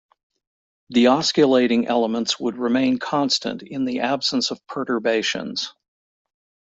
The osculating elements would remain constant in the absence of perturbations.